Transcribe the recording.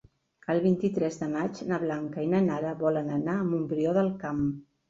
El vint-i-tres de maig na Blanca i na Nara volen anar a Montbrió del Camp.